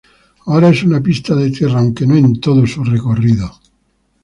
Ahora es una pista de tierra, aunque no en todo su recorrido.